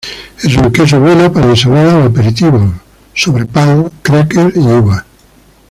Es un queso bueno para ensaladas o aperitivo sobre pan, "crackers" y uvas.